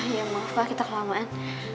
ya maaf lah kita kelamaan